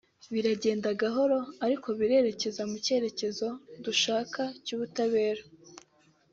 biragenda gahoro ariko birerekeza mu cyerekezo dushaka cy’ubutabera